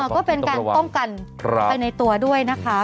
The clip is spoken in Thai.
ก็เป็นการป้องกันไปในตัวด้วยนะคะ